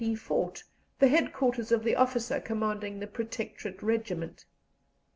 P. fort, the headquarters of the officer commanding the Protectorate Regiment.